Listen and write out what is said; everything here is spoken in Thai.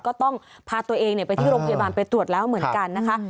ก็ต้องพาตัวเองไปที่โรงพยาบาลไปตรวจแล้วเหมือนกันนะคะ